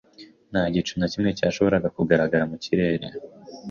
Nta gicu na kimwe cyashoboraga kugaragara mu kirere.